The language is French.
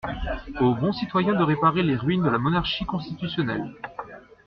Aux bons citoyens de réparer les ruines de la monarchie constitutionnelle.